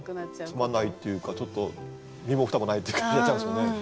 つまんないっていうかちょっと身も蓋もないっていう感じになっちゃいますもんね。